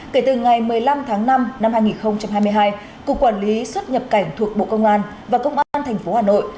kể từ ngày một mươi năm tháng năm năm hai nghìn hai mươi hai cục quản lý xuất nhập cảnh thuộc bộ công an và công an tp hà nội